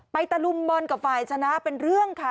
ตะลุมบอลกับฝ่ายชนะเป็นเรื่องค่ะ